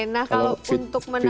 nah kalau untuk menambah